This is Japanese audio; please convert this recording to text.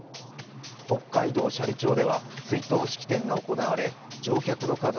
北海道斜里町では追悼式典が行われ乗客の家族